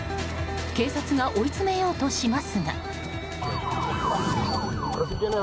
警察が追い詰めようとしますが。